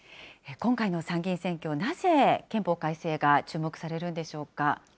今回の参議院選挙、なぜ憲法改正が注目されるんでしょうか。